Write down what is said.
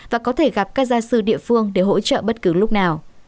và có thể gặp các gia sư địa phương để hỗ trợ bất cứ lúc nào